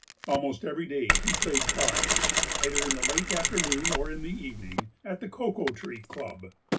Almost every day he played cards, either in the late afternoon or in the evening, at the Cocoa Tree Club.